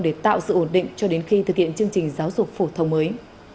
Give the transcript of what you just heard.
để tạo sự ổn định cho đến khi thực hiện chương trình giáo dục phổ thông mới